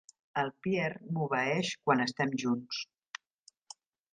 El Pierre m'obeeix quan estem junts.